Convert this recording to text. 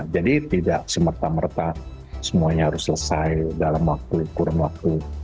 jadi tidak semerta merta semuanya harus selesai dalam waktu kurang waktu